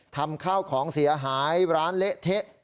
ทำข้าวของเสียหายร้านเละเทะ